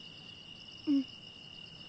うん。